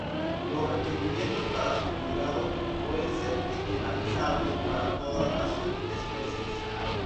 Los requerimientos para su cuidado pueden ser generalizados para todas las subespecies.